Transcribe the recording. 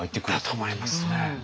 だと思いますね。